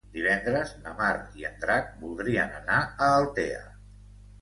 Divendres na Mar i en Drac voldrien anar a Altea.